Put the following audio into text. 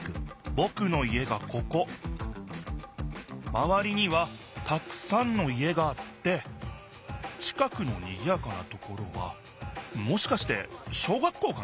まわりにはたくさんの家があって近くのにぎやかなところはもしかして小学校かな？